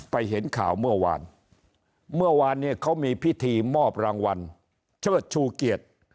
เห็นข่าวเมื่อวานเมื่อวานเนี่ยเขามีพิธีมอบรางวัลเชิดชูเกียรติ